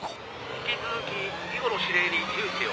引き続き以後の指令に留意せよ。